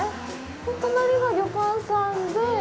隣が旅館さんで。